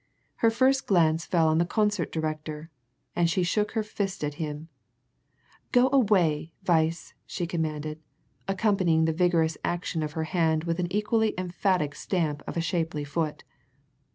Her first glance fell on the concert director, and she shook her fist at him. "Go away, Weiss!" she commanded, accompanying the vigorous action of her hand with an equally emphatic stamp of a shapely foot.